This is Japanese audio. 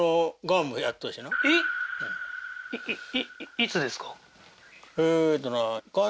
いつですか？